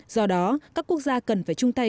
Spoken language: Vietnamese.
do đó các quốc gia cần phải chung tay